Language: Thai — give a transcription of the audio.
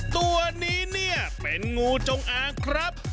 ตัวนี้เนี่ยเป็นงูจงอางครับ